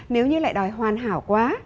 nếu như lại đòi hoàn hảo quá